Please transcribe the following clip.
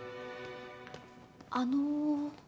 あの。